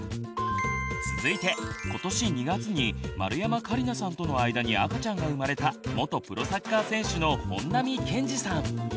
続いて今年２月に丸山桂里奈さんとの間に赤ちゃんが生まれた元プロサッカー選手の本並健治さん。